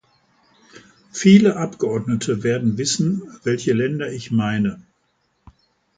Viele Abgeordnete werden wissen, welche Länder ich meine.